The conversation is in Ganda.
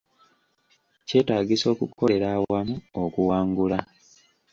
Kyetaagisa okukolera awamu okuwangula